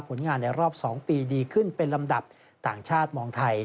ผลงานในรอบ๒ปีดีขึ้นเป็นลำดับต่างชาติมองไทย